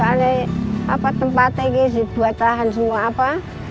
soalnya tempatnya ini dibuat lahan semua apa